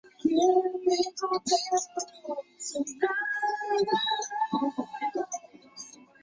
当时园内还有法国民族英雄诺尔达克塑像和一座和平女神铜像。